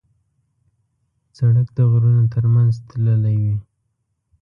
سړک د غرونو تر منځ تللی وي.